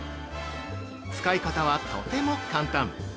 使い方はとても簡単。